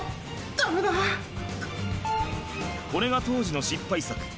これが当時の失敗作。